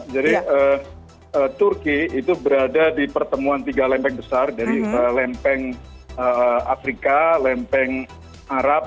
jadi turki itu berada di pertemuan tiga lempeng besar dari lempeng afrika lempeng arab